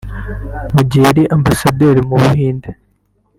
Mu gihe yari Ambasaderi mu Buhinde